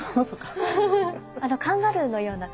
あのカンガルーのような。